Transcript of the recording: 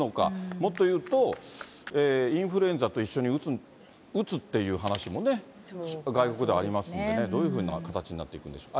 もっと言うと、インフルエンザと一緒に打つっていう話もね、外国ではありますんでね、どういうふうな形になっていくんでしょうか。